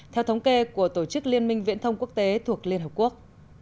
theo thống kê của tổ chức liên minh viễn thông quốc tế thuộc liên hợp quốc